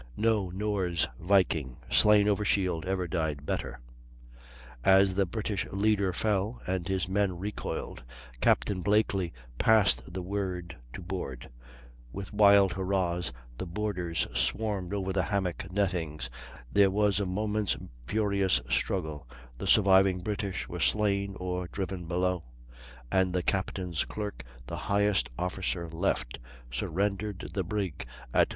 No Norse Viking, slain over shield, ever died better. As the British leader fell and his men recoiled, Captain Blakely passed the word to board; with wild hurrahs the boarders swarmed over the hammock nettings, there was a moment's furious struggle, the surviving British were slain or driven below, and the captain's clerk, the highest officer left, surrendered the brig, at 3.